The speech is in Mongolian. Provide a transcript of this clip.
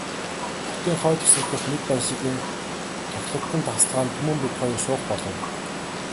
Хотын хойд хэсэг дэх нэг байшингийн тохилогхон тасалгаанд Түмэн бид хоёр суух болов.